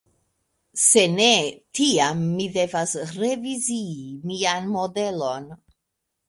Se ne, tiam mi devas revizii mian modelon.